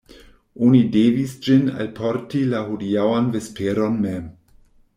Oni devis ĝin alporti la hodiaŭan vesperon mem.